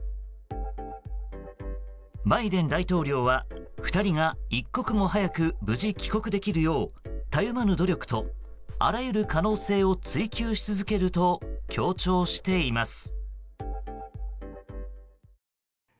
バイデン大統領は２人が一刻も早く無事帰国できるようたゆまぬ努力とあらゆる可能性を追求し続けると強調しています。